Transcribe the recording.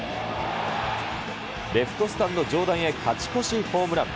レフトスタンド上段へ勝ち越しホームラン。